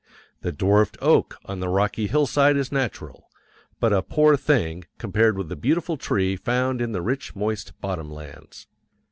The dwarfed oak on the rocky hillside is natural, but a poor thing compared with the beautiful tree found in the rich, moist bottom lands.